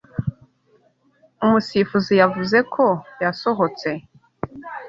Umusifuzi yavuze ko yasohotse.